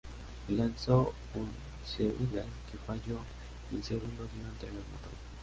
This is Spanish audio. Lanzó un Sidewinder que falló y un segundo dio entre los motores.